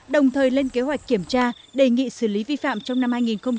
đồng thời lên kế hoạch kiểm tra đề nghị xử lý vi phạm trong năm hai nghìn hai mươi